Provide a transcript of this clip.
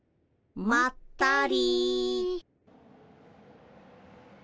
まったり。